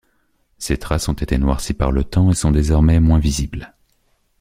Ces traces ont été noircies par le temps et sont désormais moins visibles.